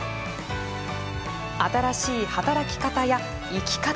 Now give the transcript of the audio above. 新しい働き方や生き方。